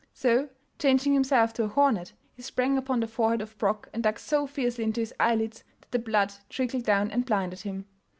So, changing himself to a hornet, he sprang upon the forehead of Brok, and dug so fiercely into his eyelids that the blood trickled down and blinded him.